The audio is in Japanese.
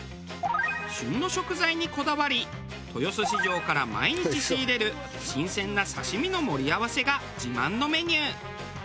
旬の食材にこだわり豊洲市場から毎日仕入れる新鮮な刺身の盛り合わせが自慢のメニュー。